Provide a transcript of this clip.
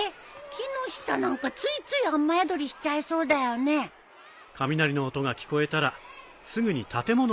木の下なんかついつい雨宿りしちゃいそうだよね。雷の音が聞こえたらすぐに建物の中に逃げましょう。